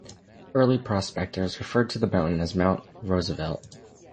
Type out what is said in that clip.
Early prospectors referred to the mountain as Mount Roosevelt.